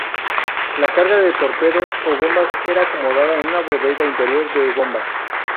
La carga de torpedo o bombas era acomodada en una bodega interior de bombas.